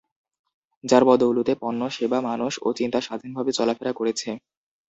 যার বদৌলতে পণ্য, সেবা, মানুষ ও চিন্তা স্বাধীনভাবে চলাফেরা করেছে।